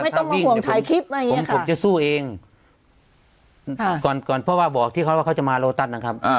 ไม่ต้องห่วงถ่ายคลิปมาอย่างงี้ผมจะสู้เองก่อนก่อนเพราะว่าบอกที่เขาว่าเขาจะมาโลตัสนะครับ